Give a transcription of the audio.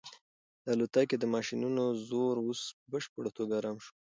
د الوتکې د ماشینونو زور اوس په بشپړه توګه ارام شو.